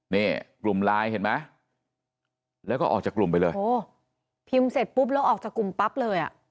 เนี่ยกลุ่มไลน์เห็นมั้ยแล้วก็ออกจากกลุ่มไว้เลยผิวเสร็จปุ๊บลอกจากกลุ่มปั๊บเลยอะ